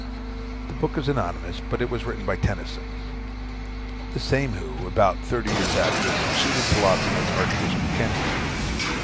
The book is anonymous, but it was written by Tennison, the same who, about thirty years after, succeeded Tillotson as Archbishop of Canterbury.